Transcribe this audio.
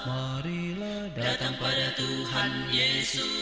marilah datang pada tuhan yesus